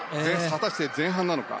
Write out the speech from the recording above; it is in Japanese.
果たして、前半なのか。